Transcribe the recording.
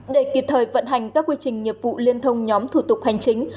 để kịp thời vận hành các quy trình nghiệp vụ liên thông nhóm thủ tục hành chính